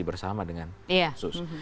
bersama dengan pansus